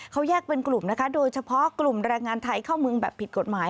เขาแยกเป็นกลุ่มนะคะโดยเฉพาะกลุ่มแรงงานไทยเข้าเมืองแบบผิดกฎหมาย